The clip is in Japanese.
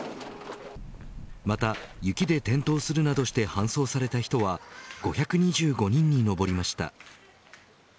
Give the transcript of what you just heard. また、雪で転倒するなどして搬送された人は５２５人に上りました。